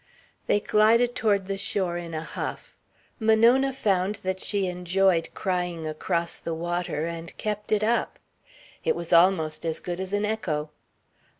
They glided toward the shore in a huff. Monona found that she enjoyed crying across the water and kept it up. It was almost as good as an echo.